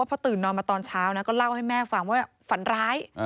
พอตื่นนอนมาตอนเช้านะก็เล่าให้แม่ฟังว่าฝันร้าย